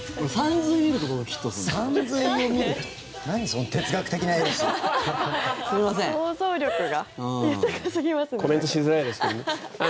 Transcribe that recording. コメントしづらいですけどね。